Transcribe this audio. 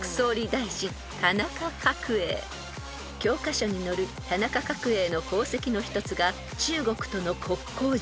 ［教科書に載る田中角榮の功績の一つが中国との国交樹立］